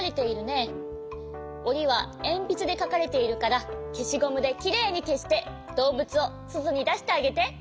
おりはえんぴつでかかれているからけしゴムできれいにけしてどうぶつをそとにだしてあげて。